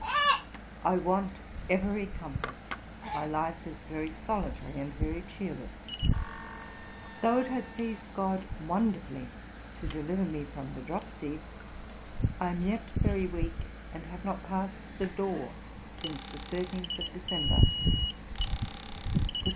'I want every comfort. My life is very solitary and very cheerless. Though it has pleased GOD wonderfully to deliver me from the dropsy, I am yet very weak, and have not passed the door since the 13th of December.